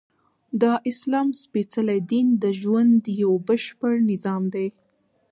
د اسلام سپیڅلی دین د ژوند یؤ بشپړ نظام دی!